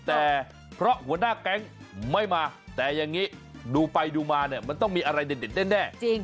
แต่เพราะหัวหน้าแก๊งไม่มาแต่อย่างนี้ดูไปดูมาเนี่ยมันต้องมีอะไรเด็ดแน่